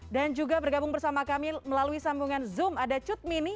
dan juga bergabung bersama kami melalui sambungan zoom ada cutmini